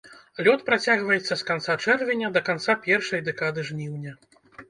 Лёт працягваецца з канца чэрвеня да канца першай дэкады жніўня.